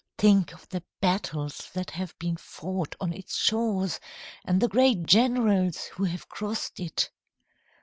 Think of the battles that have been fought on its shores, and the great generals who have crossed it!"